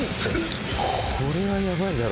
これはヤバいだろ